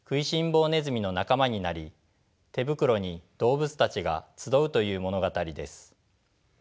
ぼねずみの仲間になり手袋に動物たちが集うという物語です。